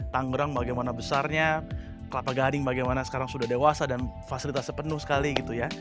tanggerang bagaimana besarnya kelapa gading bagaimana sekarang sudah dewasa dan fasilitasnya penuh sekali gitu ya